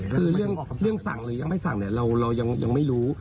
คือเรื่องสั่งหรือยังไม่สั่งเนี่ยเรายังไม่รู้